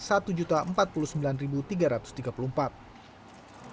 bahwa pasangan calon nomor satu mendapatkan lima ratus sembilan puluh tujuh lima ratus empat puluh suara